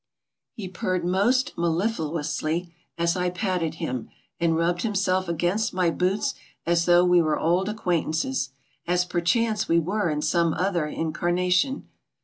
He purred most mellitluously as I paned him, and rubbed himself against my boots as though we were old acquaintances, as perchance we were in some other incarna tion.